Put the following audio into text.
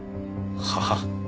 はあ？